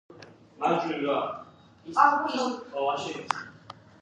ქვეყანა აღმოსავლეთ აფრიკაში, მდებარეობს ინდოეთის ოკეანის სანაპიროზე.